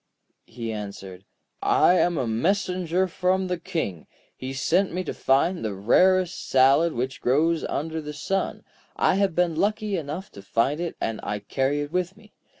He answered: 'I am a messenger from the King. He sent me to find the rarest salad which grows under the sun. I have been lucky enough to find it, and I carry it with me.